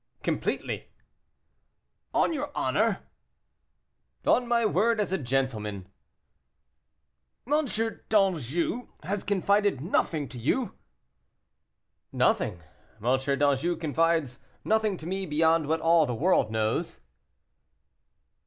"Completely." "On your honor?" "On my word as a gentleman." "M. d'Anjou has confided nothing to you?" "Nothing; M. d'Anjou confides nothing to me beyond what all the world knows."